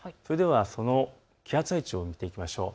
その気圧配置を見ていきましょう。